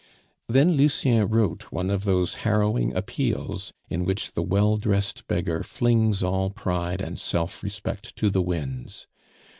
Then Lucien wrote one of those harrowing appeals in which the well dressed beggar flings all pride and self respect to the winds.